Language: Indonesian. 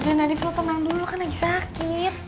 aduh nona riva tenang dulu kan lagi sakit